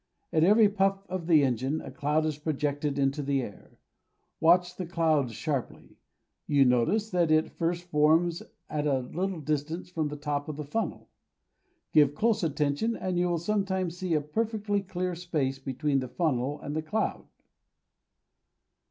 At every puff of the engine, a cloud is projected into the air. Watch the cloud sharply: you notice that it first forms at a little distance from the top of the funnel. Give close attention, and you will sometimes see a perfectly clear space between the funnel and the cloud.